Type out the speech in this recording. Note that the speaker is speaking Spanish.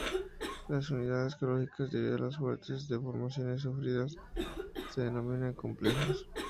Las unidades geológicas, debido a las fuertes deformaciones sufridas, se denominan complejos.